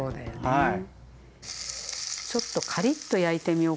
はい。